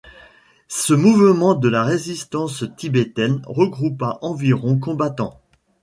Ce mouvement de la résistance tibétaine regroupa environ combattants.